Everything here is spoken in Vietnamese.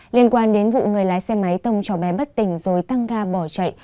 liên quan đến vụ người lái xe máy tông cho bé bất tỉnh rồi tăng ga bỏ chạy